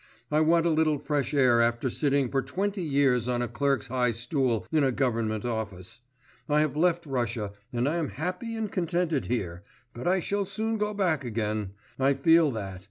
I want a little fresh air after sitting for twenty years on a clerk's high stool in a government office; I have left Russia, and I am happy and contented here; but I shall soon go back again: I feel that.